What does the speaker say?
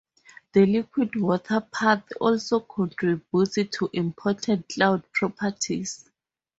The liquid water path also contributes to important cloud properties.